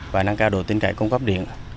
và nâng cao độ tiến cải cung cấp điện